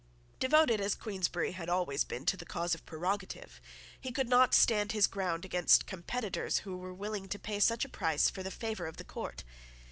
Devoted as Queensberry had always been to the cause of prerogative, he could not stand his ground against competitors who were willing to pay such a price for the favour of the court.